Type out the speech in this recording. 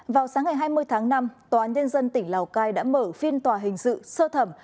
vào sáng ngày hai mươi tháng năm tòa nhân dân tỉnh lào cai đã mở phiên tòa hình sự sơ thẩm